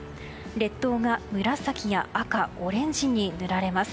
列島が紫や赤、オレンジに塗られます。